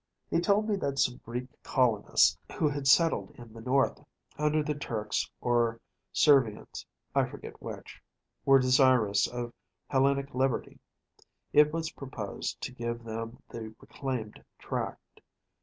He told me that some Greek colonists, who had settled in the north, under the Turks or Servians (I forget which), were desirous of returning to enjoy the sweets of Hellenic liberty. It was proposed to give them the reclaimed tract.